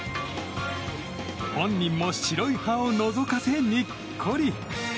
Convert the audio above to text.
本人も白い歯をのぞかせにっこり。